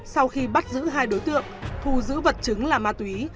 sau khi bắt giữ hai đối tượng thu giữ vật chứng là ma túy